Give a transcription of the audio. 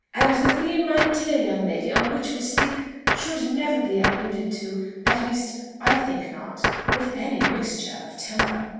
And the theme, my dear young lady, on which we speak should never be alluded to, at least, I think not, with any mixture of temper."